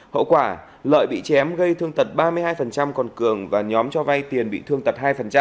hậu quả lợi bị chém gây thương tật ba mươi hai còn cường và nhóm cho vay tiền bị thương tật hai